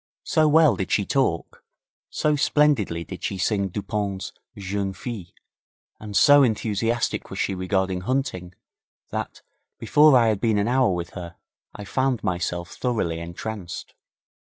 So well did she talk, so splendidly did she sing Dupont's 'Jeune Fille', and so enthusiastic was she regarding hunting, that, before I had been an hour with her, I found myself thoroughly entranced.